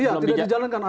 iya tidak dijalankan